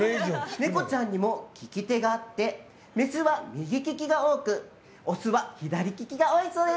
ネコちゃんにも利き手があってメスは右利きが多くオスは左利きが多いそうです。